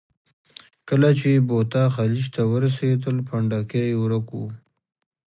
کله چې بوتا خلیج ته ورسېدل، پنډکی یې ورک و.